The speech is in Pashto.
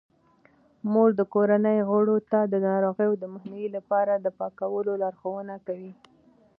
مور د کورنۍ غړو ته د ناروغیو د مخنیوي لپاره د پاکولو لارښوونه کوي.